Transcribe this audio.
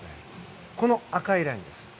この赤いラインです。